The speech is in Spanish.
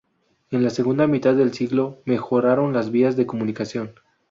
En la segunda mitad del siglo mejoraron las vías de comunicación.